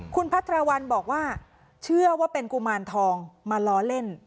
คุณพัทรวรรณบอกว่าเชื่อว่าเป็นกุมารทองมาล้อเล่น